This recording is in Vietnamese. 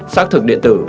xác thực điện tử